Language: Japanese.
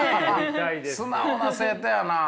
素直な生徒やな。